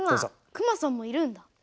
クマさんもいるんだ。